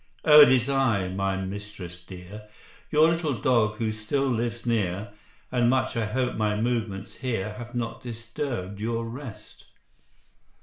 "O it is I, my mistress dear, Your little dog , who still lives near, And much I hope my movements here Have not disturbed your rest?"